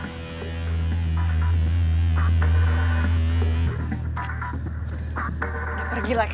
udah pergi lex